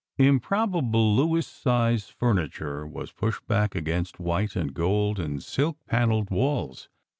Improbable Louis Seize furniture was pushed back against white and gold and silk panelled walls.